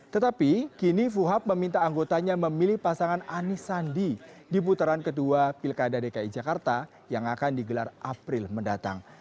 tetapi kini fuhab meminta anggotanya memilih pasangan anies sandi di putaran kedua pilkada dki jakarta yang akan digelar april mendatang